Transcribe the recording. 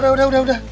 udah udah udah